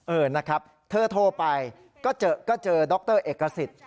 เออนะครับเธอโทรไปก็เจอดรเอกสิทธิ์